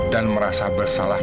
dan merasa bersalah